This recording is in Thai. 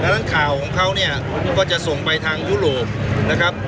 ดังนั้นข่าวของเขาเนี่ยก็จะส่งไปทางยุโรปนะครับ